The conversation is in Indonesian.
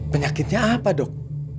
penyakitnya apa dok